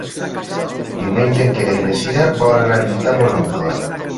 Diumenge en Quer i na Cira volen anar a visitar mon oncle.